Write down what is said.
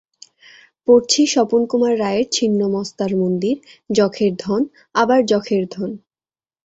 পড়ছি স্বপন কুমার রায়ের ছিন্ন মস্তার মন্দির, যখের ধন, আবার যখের ধন।